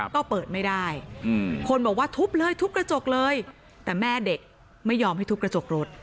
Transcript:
ก็เปิดไม่ได้คนบอกว่าทุบเลยทุบกระจกเลยแต่แม่เด็กไม่ยอมให้ทุบกระจกรถ